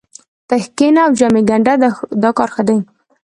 ته کښېنه او جامې ګنډه دا کار ښه دی